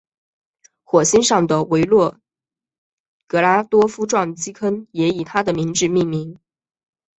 火星上的维诺格拉多夫撞击坑也以他的名字命名。